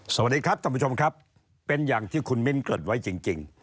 สวัสดีครับท่านผู้ชมครับเป็นอย่างที่คุณมิ้นเกิดไว้จริง